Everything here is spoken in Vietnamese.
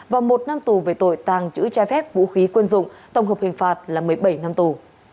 và một năm tù về tội tàng trữ trái phép vũ khí quân dụng tổng hợp hình phạt là một mươi bảy năm tù